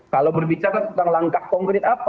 kalau berbicara tentang langkah konkret apa